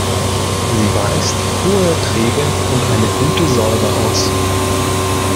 Sie weist hohe Erträge und eine gute Säure aus.